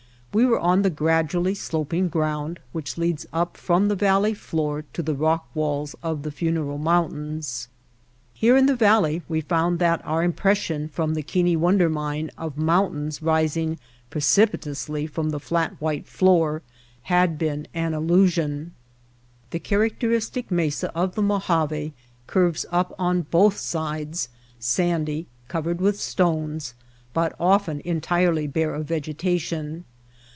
We were on the grad ually sloping ground which leads up from the valley floor to the rock walls of the Funeral Mountains. Here in the valley we found that our impression from the Keane Wonder Mine of mountains rising precipitously from the flat white floor had been an illusion. The charac teristic mesa of the Mojave curves up on both sides, sandy, covered with stones, but often en tirely bare of vegetation.